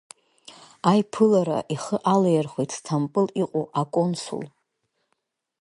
Аиԥылара ихы алаирхәит Сҭампыл иҟоу аконсул.